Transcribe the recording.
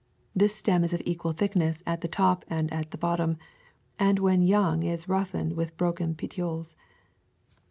This stem is of equal thickness at the top and at the bottom and when young is roughened with the broken petioles.